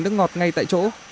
nước ngọt ngay tại chỗ